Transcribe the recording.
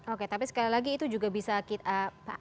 oke tapi sekali lagi itu juga bisa kita